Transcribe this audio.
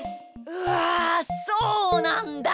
うわそうなんだ！